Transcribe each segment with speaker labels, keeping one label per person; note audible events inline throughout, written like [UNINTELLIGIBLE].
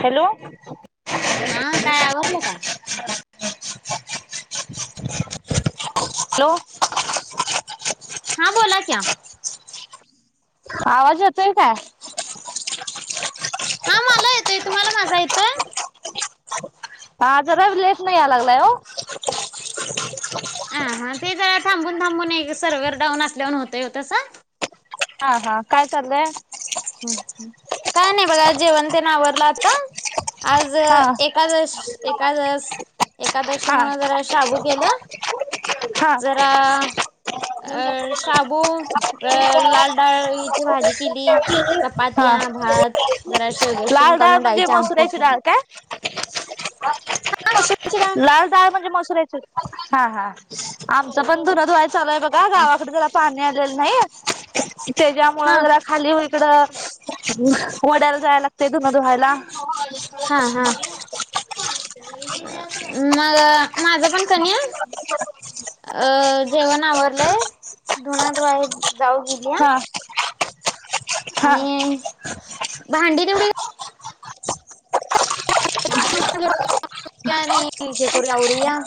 Speaker 1: Hello
Speaker 2: हा काय आवडलं का
Speaker 1: ह हॅलो
Speaker 2: हां बोला क्या
Speaker 1: आवाज होतोय काय
Speaker 2: हा मला येतोय तुम्हाला माझा येतोय
Speaker 1: हा जरा लेस नाही या लागलाय हो
Speaker 2: ह हा ते जरा थांबून थांबून एक सर्वर्ह डाऊन असल्यावर होत होतस
Speaker 1: हा हा काय चाललंय
Speaker 2: काय नाही बघा जेवण ते ना आवरलं आता आज
Speaker 1: हा
Speaker 2: एाद एकादस एकादशी
Speaker 1: हा
Speaker 2: मु जरा शाबू केलं
Speaker 1: हा
Speaker 2: जरा अ शाबू अ लाल डाळीची भाजी केली
Speaker 1: हा
Speaker 2: चपात्या भात जराशे वगर शे
Speaker 1: लाल डाळ
Speaker 2: घालून
Speaker 1: म्हणजे
Speaker 2: राडयचे आमची
Speaker 1: मसुराची
Speaker 2: ति
Speaker 1: डाळ काय
Speaker 2: हा ना सुमच ना
Speaker 1: म्हण आम पण धुधु चालूय बघा गावाक पा आ नाही त्याच्या
Speaker 2: हा
Speaker 1: ज खाली इड वड्याला जायला लागते दधुनधुवा्हायला
Speaker 2: हा हा मग माझ पण कनी आहे अ जेवण आवरलंय धोनात वाय जाऊ गेली ह
Speaker 1: हा हा
Speaker 2: आणि भांडी तेवढी हे करूया उरया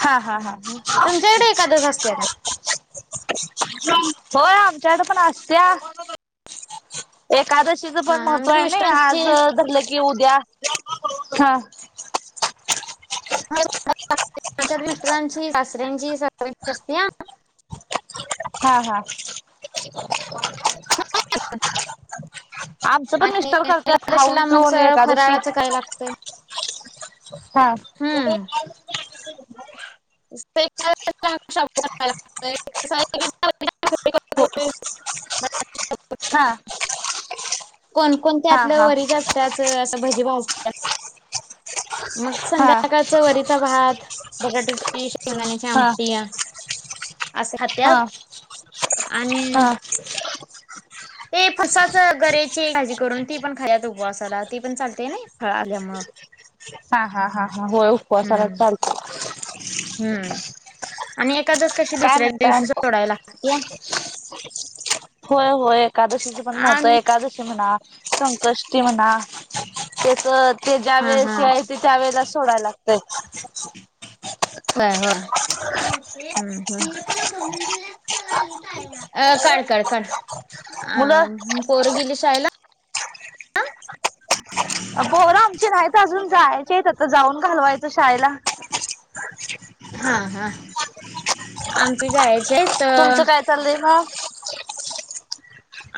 Speaker 1: हा हा हा
Speaker 2: तुमच्याकडे एखादच असते का
Speaker 1: हो आमच्याड पण असत्या एक एकादशीचं
Speaker 2: हा
Speaker 1: पण महत्त्व
Speaker 2: आमच्यात
Speaker 1: आहे ना
Speaker 2: मिस्टरांची
Speaker 1: आज धरलं की उद्या हा
Speaker 2: हा मिटरांची दासऱ्यांची स असती ह
Speaker 1: हा हा-
Speaker 2: [UNINTELLIGIBLE]
Speaker 1: आमचं पण
Speaker 2: आणि
Speaker 1: मिस्टर करतात खाऊन
Speaker 2: एकादशीला मग
Speaker 1: पिऊन
Speaker 2: सर
Speaker 1: एकादशी
Speaker 2: फराळाचं काय लागतय.
Speaker 1: हा
Speaker 2: हम्म. [UNINTELLIGIBLE] [UNINTELLIGIBLE]
Speaker 1: हो हा हा
Speaker 2: कोणकोणत्यातलं
Speaker 1: हा
Speaker 2: वरीज् असं भजी भाज मग
Speaker 1: हा हा
Speaker 2: संध्याकाळच वरीचा भात बटाट्या [UNINTELLIGIBLE] शेंगदाण्याची
Speaker 1: हा
Speaker 2: आमटीया अस
Speaker 1: हा
Speaker 2: खात्यात आणि
Speaker 1: हा
Speaker 2: ते फसाच गऱची भाजी करून ती पण खायात उपवासाला ती पण चालते नी फळ आल्यामुळ [INAUDIBLE]
Speaker 1: हा हा हा हा होय उपवासाला चालत
Speaker 2: हम्म आणि एक
Speaker 1: काय म्हणता होय होय. एकादशीच पण महत्व
Speaker 2: आणि
Speaker 1: एकादशी म्हणा, संकष्टी म्हणा तस ते
Speaker 2: हा हा
Speaker 1: ज्यावेळेस येते त्यावेळेलाचं सोडायला लागतय.
Speaker 2: होया होय. अ काढ काढ काढ
Speaker 1: मुलं
Speaker 2: अ पोर गेली शाळेला.
Speaker 1: अं पोर आमची नाहीत अजून जायचीत आता जाऊन घालवायचं शाळेला.
Speaker 2: हा हा आमच जाय
Speaker 1: तुमचं काय चाललं म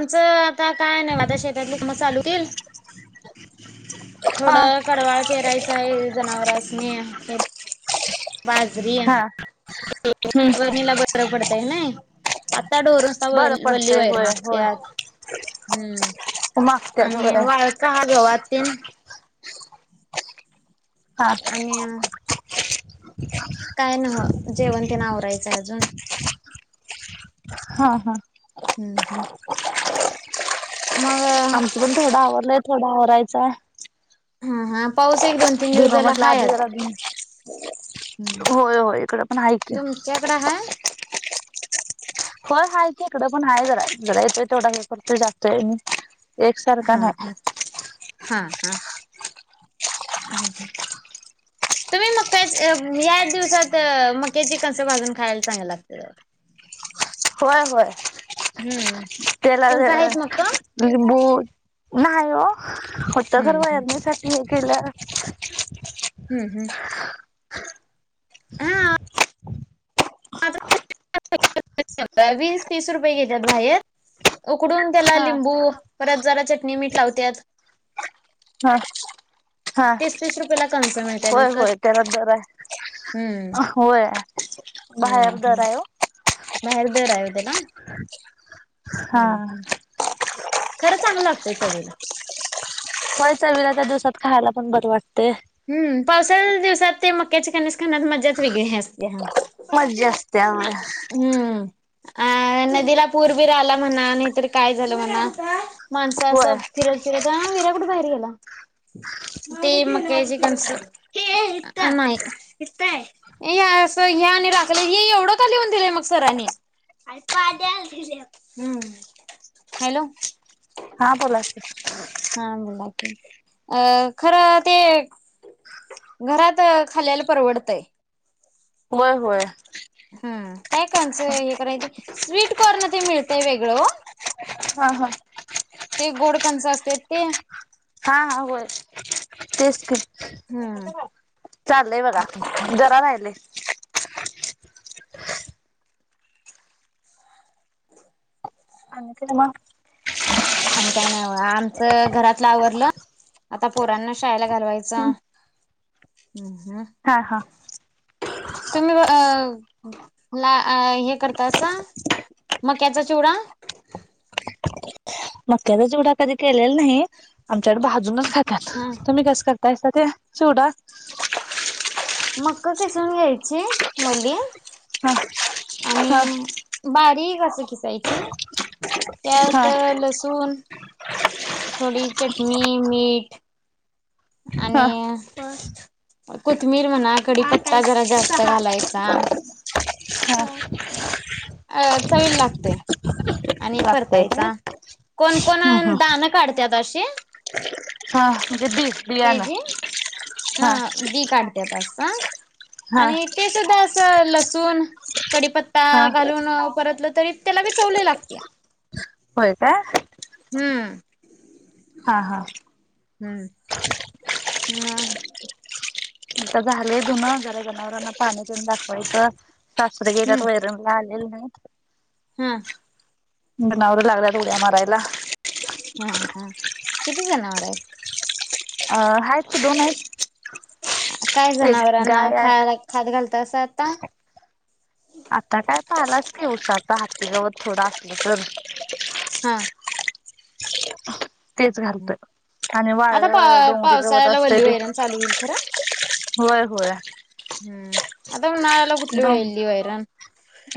Speaker 2: आमचं आता काय ना म आता शेतातली काम चालू होतील.
Speaker 1: हा
Speaker 2: थोडं कडवाळ पेरायचं आहे जनावरांसनी तेन बाजरी
Speaker 1: हा हम्म
Speaker 2: वणीला बरं पडतय नय आ त्या डोर नुसता
Speaker 1: बरं
Speaker 2: वल्ली
Speaker 1: पडतंय
Speaker 2: वैर
Speaker 1: होय होय
Speaker 2: मागत्यात हम्म
Speaker 1: मागत्यात
Speaker 2: आणि
Speaker 1: होय
Speaker 2: वाळका हा गवात तेण
Speaker 1: हा
Speaker 2: आणि काय नव्ह जेवणतीन आवरायचंय अजून
Speaker 1: हा हा
Speaker 2: हं
Speaker 1: आमचं पण थोडं आवरलंय थोडं आवरायचाय
Speaker 2: हा हा पाऊस एक दोन तीन दिवस झाला
Speaker 1: म्हटलं
Speaker 2: हाय
Speaker 1: आधी जरा
Speaker 2: आता.
Speaker 1: धुन
Speaker 2: हम्म
Speaker 1: होय होय इकडं पण हाय की,
Speaker 2: तुमच्याकडं हाय
Speaker 1: होय हाय की इकडं पण हाय जरा गरळतोय तेवढा हे करतोय जास्त येय नी एकसारखा
Speaker 2: हा
Speaker 1: नाय.
Speaker 2: हा हा हा हं हं तुम्ही मकाच या एक दिवसात मक्याचे कणस भाजून खायला चांगल लागतय ब [UNINTELLIGIBLE]
Speaker 1: होय होय तेला
Speaker 2: तुमचं
Speaker 1: अं
Speaker 2: आहेत मग का?
Speaker 1: लिंबू नाय हो होत
Speaker 2: हम्म
Speaker 1: खर
Speaker 2: हम्म
Speaker 1: वयरणीसाठी हे केलं.
Speaker 2: ह हं वीस तीस रुपये घेत्यात बाहेर उकडून त्याला
Speaker 1: हा
Speaker 2: लिंबू परत जरा चटणी मीठ लावत्यात.
Speaker 1: हा हा
Speaker 2: तीस तीस रुपयाला कणस मिळतात
Speaker 1: होय
Speaker 2: विकत.
Speaker 1: होय त्याला दर
Speaker 2: हम्म
Speaker 1: हाय होय
Speaker 2: हम्म
Speaker 1: बाहेर दर
Speaker 2: हम्म.
Speaker 1: हाय ओ.
Speaker 2: बाहेर दर हाय ओ त्याला
Speaker 1: हा
Speaker 2: हम्म हम्म खरं चांगलं लागतंय चवीला.
Speaker 1: होय चवीला त्या दिवसात खायला पण बर वाटतय.
Speaker 2: हम् पावसाळ दिवसात ते मक्याचे कणीस खाण्यात मजाच वेगळी असत्या.
Speaker 1: मज्जा असत्या होय
Speaker 2: हम्म. अ नदीला पूर बीर आला म्हणा नाहीतर काय झालं म्हणा. माणसं अस
Speaker 1: होय
Speaker 2: फिरत फिरत विराकुठ बाहेर गेला, ते म ते जे अस नाही, अस हे आणि राखलय हे एवढं लिहून दिले मग सरनी [UNINTELLIGIBLE] हॅलो.
Speaker 1: हा बोला की?
Speaker 2: हा बोला अ खरं ते घरात खाल्यालं परवडतंय.
Speaker 1: होय, होय.
Speaker 2: हा, काय कंस हे करायचं स्वीट कॉर्न ते मिळतय वेगळं ओ.
Speaker 1: हा हा.
Speaker 2: ते गोड कंस असत्यात ते.
Speaker 1: हा हा होय, तेच ते.
Speaker 2: हम्म
Speaker 1: चाललंय बघा, जरा राहिलय. आणि काय? म.
Speaker 2: आणि काय नाही आमचं घरातलं आवरलं. आता पोरांना शाळेला घालवायचा.
Speaker 1: हम्म हा हा.
Speaker 2: तुम्ही अ, ला हे करतासा. मक्याचा चिवडा.
Speaker 1: मक्याचा चिवडा कधी केलेला नाही आमच्याकड भाजूनच खातात
Speaker 2: हा
Speaker 1: तुम्ही कस कर त्यसा ते चूडा.
Speaker 2: मक्क किसून घ्यायची वली
Speaker 1: हा हा
Speaker 2: आणि बारीक अस खिसायची. त्यात
Speaker 1: हा
Speaker 2: लसूण. थोडी चटणी, मीठ. आणि
Speaker 1: हा
Speaker 2: कोथमीर म्हणा कडीपत्ता जरा जास्त घालायचा.
Speaker 1: हा.
Speaker 2: अ चवीला लागतय. आणि
Speaker 1: लागतय काय
Speaker 2: परतायचा, कोण कोण
Speaker 1: हम्म हम्म
Speaker 2: दाण काढत्यात अशी.
Speaker 1: हा म्हणजे बी बियाणं
Speaker 2: तेजी, हा बी काढत्यात. आ,
Speaker 1: हा
Speaker 2: आणि ते सुद्धा अस लसूण, कडीपत्ता
Speaker 1: हा
Speaker 2: घालून परतल तरी त्याला बी चव लय लागत्या.
Speaker 1: होय का.
Speaker 2: हम.
Speaker 1: हा हा.
Speaker 2: हम्म. [UNINTELLIGIBLE]
Speaker 1: आता झालय धुणं जरा जनावरांना पाणी तेन दाखवायचं सासरे गेल्यात वैरणला हे नायत.
Speaker 2: हां.
Speaker 1: जनावर लागल्यात उड्या मारायला.
Speaker 2: हा हा किती जनावर आहेत.
Speaker 1: अ आहेत की दोन हाइत.
Speaker 2: काय जनावरांना
Speaker 1: आहे
Speaker 2: खाय खात घालतसं आता.
Speaker 1: आता काय पालाच की उसाचा हाती गवत थोडा असल तर.
Speaker 2: हा..
Speaker 1: [UNINTELLIGIBLE] घालतोय आणि वाळ
Speaker 2: आता पा
Speaker 1: डोंगरी गवत
Speaker 2: पावसाळ्याला
Speaker 1: असतय
Speaker 2: वल्ली
Speaker 1: ते
Speaker 2: वैरण चालू होईल खरा
Speaker 1: होय होय
Speaker 2: हम्म आता म्हण नाळाला कुठली
Speaker 1: डोंग
Speaker 2: वेलली वैरन..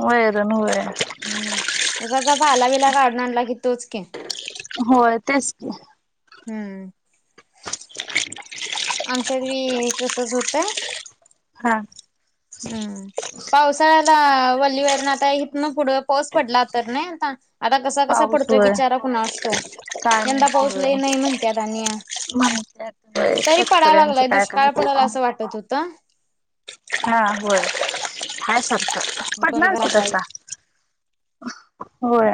Speaker 1: वैरण होय
Speaker 2: हम् उसाचा पाला बिला काढून आणला की तोच के
Speaker 1: होय तेच...
Speaker 2: हम्म... आमच्यात तसच होतं...
Speaker 1: हा..
Speaker 2: हम्म पावसाळ्याला... आता वल्ली वैरण आता इथून पुढं पाऊस पडला तर नाही आता... आता कसा कसा
Speaker 1: पाऊस
Speaker 2: पडतोय
Speaker 1: होय
Speaker 2: बिचारा कणा असतो
Speaker 1: काय
Speaker 2: यंदा
Speaker 1: माहिती होय
Speaker 2: पाऊसलाही नाही म्हणत आणि...
Speaker 1: माहिती होय
Speaker 2: तरी पडायला
Speaker 1: शेतकऱ्यांचं
Speaker 2: लागलाय
Speaker 1: काय काय
Speaker 2: दुष्काळ
Speaker 1: होतंय
Speaker 2: पडला असं
Speaker 1: काय
Speaker 2: वाटत होतं...
Speaker 1: हा होय हय सारखं पडणार
Speaker 2: बघितला
Speaker 1: की
Speaker 2: हाय
Speaker 1: तसा.. होय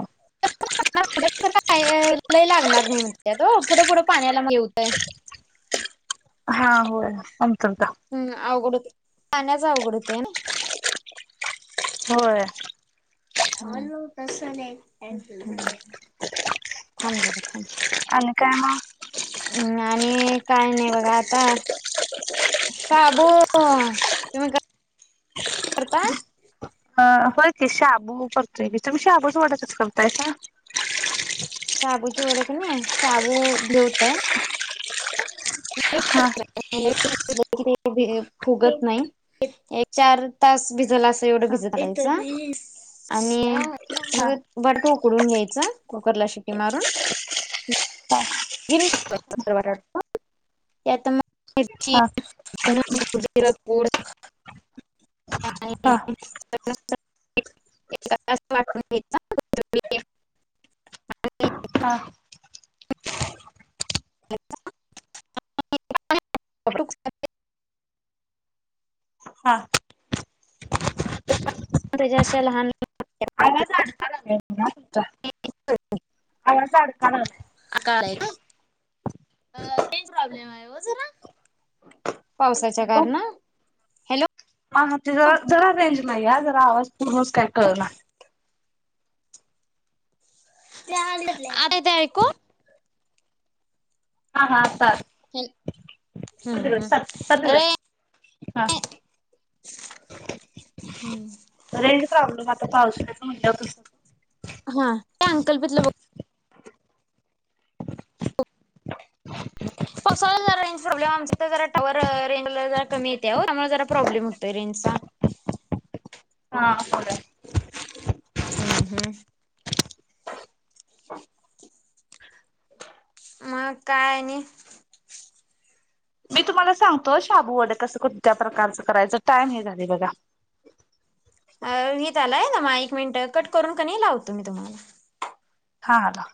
Speaker 2: लय लागणार... पुढ पुढ पाण्याला मग हे होतय....
Speaker 1: हा हो कमतरता...
Speaker 2: हम्म अवघड होतंय पाण्याच अवघड होत आहे ना..
Speaker 1: होय...
Speaker 2: कस नाही थांब जरा थांब...
Speaker 1: अ काय म...
Speaker 2: हम् आणि काय नाही बघा आता... शाबू तुम्ही करता..
Speaker 1: हो की शाबू करतोय की तुम्ही शाबूचा वडा करताय का
Speaker 2: शाबूची वेडे कसे नाही शाबू..
Speaker 1: हा
Speaker 2: [UNINTELLIGIBLE] भ फुगत नाही एक चार तास भिजल अस एवढं
Speaker 1: हा
Speaker 2: भिजत त्यांच... आणि
Speaker 1: हा
Speaker 2: मग बटाट उकडून घ्यायच कुकर ला शिटी मारून घेऊ शकतो त्याव..
Speaker 1: हा...
Speaker 2: [INAUDIBLE]
Speaker 1: हा
Speaker 2: आणि [UNINTELLIGIBLE]
Speaker 1: हा
Speaker 2: अच्छा... [UNINTELLIGIBLE]
Speaker 1: हा...
Speaker 2: प्रजा पेक्षा लहान... वाट्या
Speaker 1: आला
Speaker 2: करून
Speaker 1: जाड
Speaker 2: घ्यायचं.
Speaker 1: का जा...
Speaker 2: आणि
Speaker 1: आला साड का...
Speaker 2: काहीच प्रॉब्लेम आहे ना... पावसाच्या गार ना हॅलो...
Speaker 1: मग ह ते जरा जरा रेंज नाही या जरा आवाज पूर्वच काय कळणार..
Speaker 2: आर ते ऐको..
Speaker 1: हा हा... सर
Speaker 2: हम्म
Speaker 1: तिकडं
Speaker 2: हम्म
Speaker 1: सर सर
Speaker 2: अरे...
Speaker 1: तिकडं हा
Speaker 2: हम्म...
Speaker 1: रेंज प्रॉब्लेम आता पावसाळ्यात म्हणलं तस...
Speaker 2: हा त्या अंकलीपीतला बघुन... पावसाला जरा रेज प्रॉब्लेम आमच तर जरा टॉवर रेंज जरा कमी येते त्यामुळे जरा प्रॉब्लेम होतो... रेंजचा
Speaker 1: हा बोला.
Speaker 2: हम्म, हम्म. [UNINTELLIGIBLE] मग काय आणि?
Speaker 1: मी तुम्हाला सांगतो शाबू वडे कसं कोणत्या प्रकारचं करायचं. टाइम हे झालंय बघा.
Speaker 2: अ [UNINTELLIGIBLE] आलाय ना मग एक मिनिट कट करून कनई लावतो मी तुम्हाला.
Speaker 1: हा आला.